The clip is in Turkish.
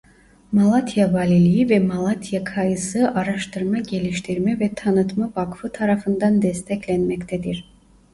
Malatya Valiliği ve Malatya Kayısı Araştırma-Geliştirme ve Tanıtma Vakfı tarafından desteklenmektedir.